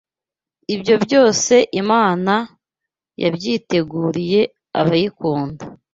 ibyo byose Imana yabyiteguriye abayikunda